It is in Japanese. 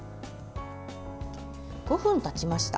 ５分たちました。